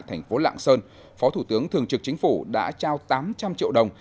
thành phố lạng sơn phó thủ tướng thường trực chính phủ đã trao tám trăm linh triệu đồng